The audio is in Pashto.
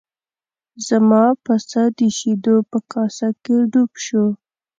زما پسه د شیدو په کاسه کې ډوب شو.